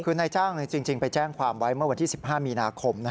คือนายจ้างจริงไปแจ้งความไว้เมื่อวันที่๑๕มีนาคม